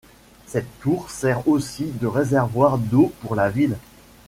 Cette tour sert aussi de réservoir d'eau pour la ville.